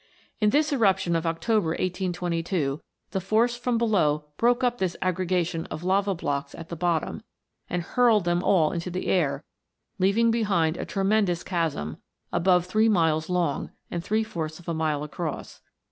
In this eruption of October, 1822, the force from below broke up this aggregation of lava blocks at the bottom, and hurled them all into the air, leaving behind a tremendous chasm, above u2 292 PLUTO'S KINGDOM. three miles long, and three fourths of a mile across.